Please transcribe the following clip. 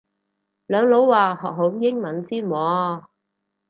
兩老話學好英文先喎